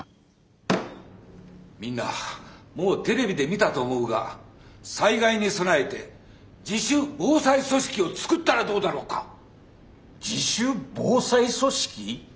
みんなもうテレビで見たと思うが災害に備えて自主防災組織を作ったらどうだろうか。